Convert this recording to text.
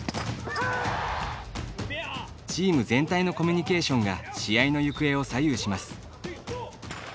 チーム全体のコミュニケーションが、試合の行方を左右します。